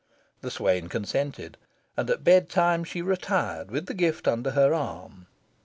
The swain consented, and at bed time she retired with the gift under her arm.